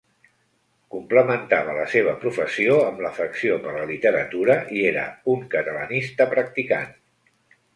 Complementava la seva professió, amb l'afecció per la literatura i era un catalanista practicant.